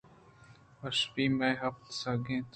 آشپی مئے پت سک گل اَت